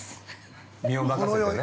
◆身を任せてね。